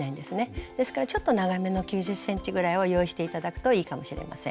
ですからちょっと長めの９０ｃｍぐらいを用意して頂くといいかもしれません。